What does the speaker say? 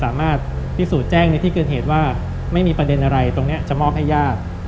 สามารถพิสูจน์แจ้งในที่เกิดเหตุว่าไม่มีประเด็นอะไรตรงนี้จะมอบให้ญาติ